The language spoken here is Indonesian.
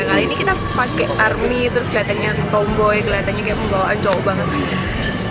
kali ini kita pakai army terus kelihatannya tomboy kelihatannya kayak pembawaan cowok banget